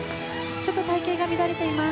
ちょっと隊形が乱れています。